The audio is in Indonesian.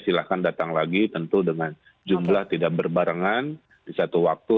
silahkan datang lagi tentu dengan jumlah tidak berbarengan di satu waktu